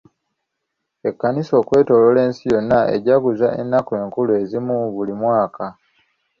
Ekkanisa okwetooloola ensi yonna ejaguza ennaku enkulu ezimu buli mwaka.